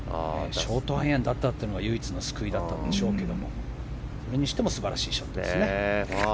ショートアイアンだったのが唯一の救いだったんでしょうけどそれにしても素晴らしいショットですね。